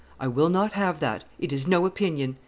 "I will not have that; it is no opinion."